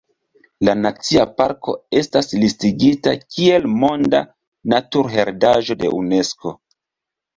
La nacia parko estas listigita kiel Monda Naturheredaĵo de Unesko.